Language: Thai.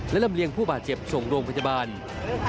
และรำเลียงผู้บาดเจ็บส่งโรงพัฒนาวิทยาลัยบาล